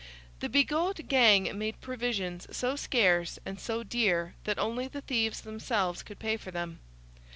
The Bigot gang made provisions so scarce and so dear that only the thieves themselves could pay for them.